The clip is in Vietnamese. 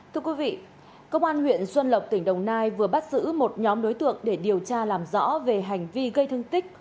thưa quý vị công an huyện xuân lộc tỉnh đồng nai vừa bắt giữ một nhóm đối tượng để điều tra làm rõ về hành vi gây thương tích